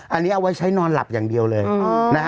อันนี้เอาไว้ใช้นอนหลับอย่างเดียวเลยนะฮะ